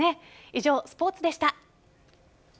以上、スポーツでした。